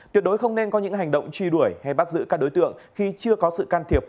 tuyệt đối không nên có những hành động truy đuổi hay bắt giữ các đối tượng khi chưa có sự can thiệp